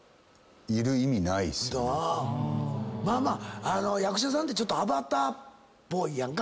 まあ役者さんってちょっとアバターっぽいやんか。